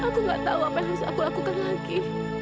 aku gak tahu apa yang harus aku lakukan lagi